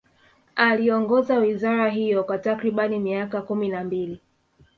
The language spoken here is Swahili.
Aliongoza wizara hiyo kwa takriban miaka kumi na mbili